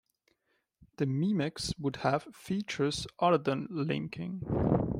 The memex would have features other than linking.